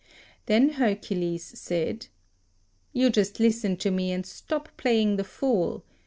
Then Hercules said, "You just listen to me, and 7 stop playing the fool.